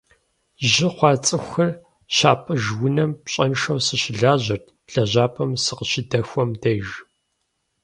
Жьы хъуа цӏыхухэр щапӏыж унэм пщӏэншэу сыщылажьэрт лэжьапӏэм сыкъыщыдэхуэм деж.